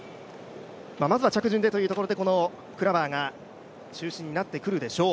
まずは着順でということで、このクラバーが中心になってくるでしょう。